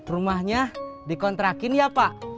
rumahnya dikontrakin ya pak